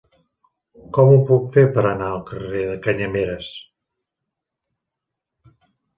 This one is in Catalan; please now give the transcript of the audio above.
Com ho puc fer per anar al carrer de Canyameres?